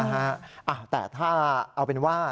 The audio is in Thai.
อ่าวนะฮะแต่ถ้าเอาเป็นว่า